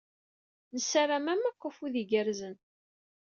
Nessaram-am akk afud igerrzen.